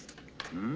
うん？